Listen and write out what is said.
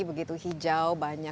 begitu hijau banyak